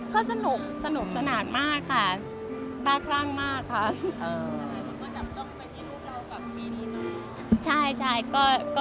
เข้าเลือกเลยนะคะ